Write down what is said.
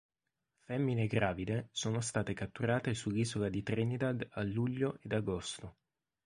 Femmine gravide sono state catturate sull'isola di Trinidad a luglio ed agosto.